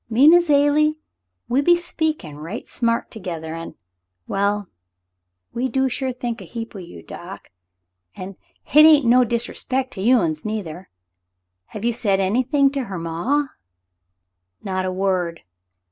Me an' Azalie, we been speakin' right smart together — an' — well, we do sure think a heap o' you, Doc — an' hit ain't no disrespect to you uns, neither. Have you said anything to her maw ?" "Not a word.